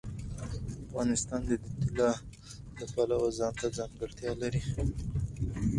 افغانستان د طلا د پلوه ځانته ځانګړتیا لري.